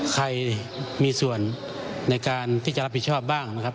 ใครมีส่วนในการติดการได้รับผิดชอบบ้าง